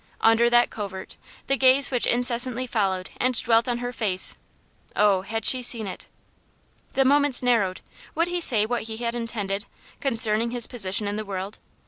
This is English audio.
Under that covert, the gaze which incessantly followed and dwelt on her face oh, had she seen it! The moments narrowed. Would he say what he had intended, concerning his position in the world?